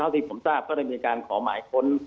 คนก็ได้การขอหมายควร